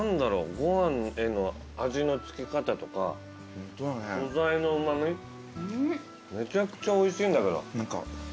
ご飯への味の付け方とか素材のうま味めちゃくちゃおいしいんだけど。